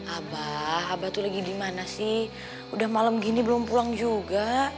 abah abah tuh lagi dimana sih udah malem gini belum pulang juga